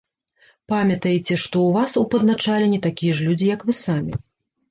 Памятаеце, што ў вас у падначаленні такія ж людзі, як вы самі.